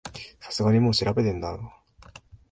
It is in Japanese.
さすがにもう調べてんだろ